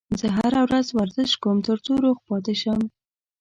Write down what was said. زه هره ورځ ورزش کوم ترڅو روغ پاتې شم